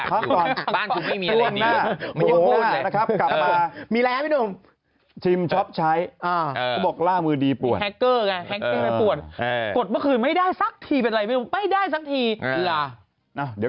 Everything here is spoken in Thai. ครั้งก่อนสิไม่อยากอยู่บ้านผมไม่มีอะไรอยู่